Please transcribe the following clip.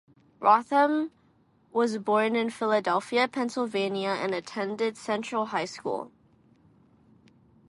Rothman was born in Philadelphia, Pennsylvania, and attended Central High School.